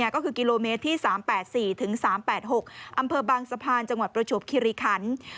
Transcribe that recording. ก็คือกิโลเมตรที่๓๘๔๓๘๖อำเภอบางสะพานจังหวัดประจวบคิริคัน